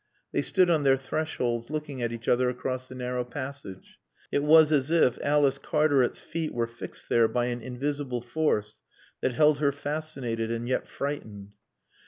They stood on their thresholds looking at each other across the narrow passage. It was as if Alice Cartaret's feet were fixed there by an invisible force that held her fascinated and yet frightened.